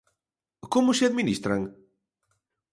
Como se administran?